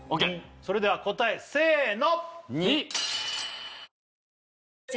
それでは答えせーの！